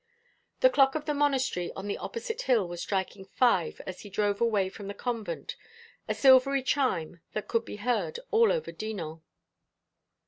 The clock of the monastery on the opposite hill was striking five as he drove away from the convent, a silvery chime that could be heard all over Dinan.